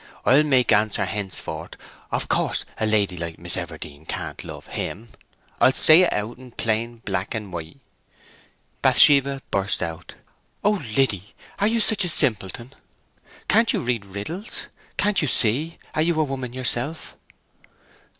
I'll make answer hencefor'ard, 'Of course a lady like Miss Everdene can't love him'; I'll say it out in plain black and white." Bathsheba burst out: "O Liddy, are you such a simpleton? Can't you read riddles? Can't you see? Are you a woman yourself?"